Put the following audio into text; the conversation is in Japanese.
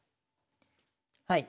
はい。